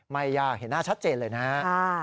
ไม่ยากเห็นหน้าชัดเจนเลยนะครับ